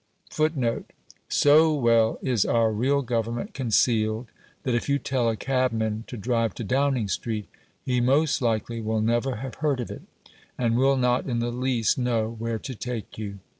So well is our real government concealed, that if you tell a cabman to drive to "Downing Street," he most likely will never have heard of it, and will not in the least know where to take you.